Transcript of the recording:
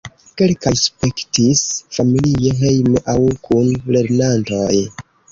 Kelkaj spektis familie hejme aŭ kun lernantoj.